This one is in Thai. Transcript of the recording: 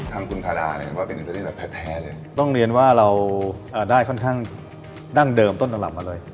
ทานครูฮาดาคืออันดับใหญ่แท้เลยต้องเรียนว่าเราได้ค่อนข้างนั่งเดิมต้นต่อนล่ะมาเลย